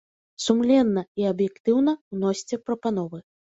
Сумленна і аб'ектыўна ўносьце прапановы.